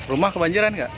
rumah kebanjiran nggak